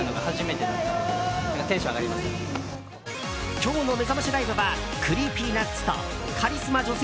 今日のめざましライブはＣｒｅｅｐｙＮｕｔｓとカリスマ女性